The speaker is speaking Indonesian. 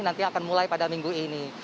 nanti akan mulai pada minggu ini